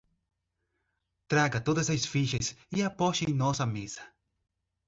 Traga todas as fichas e aposte em nossa mesa